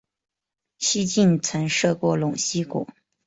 西晋曾设过陇西国。